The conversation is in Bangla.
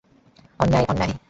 অন্যায়, অন্যায়!